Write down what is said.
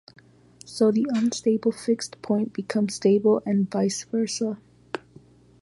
So the unstable fixed point becomes stable and vice versa.